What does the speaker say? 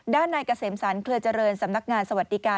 ด้านในกระเสมสรรเคลือเจริญสำนักงานสวัสดิกา